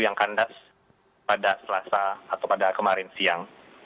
yang kandas pada selasa atau pada kemarin siang